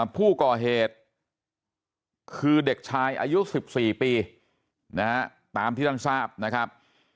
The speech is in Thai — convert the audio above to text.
ผู้ก่อเหตุคือเด็กชายอายุ๑๔ปีตามที่ท่านทราบนะครับ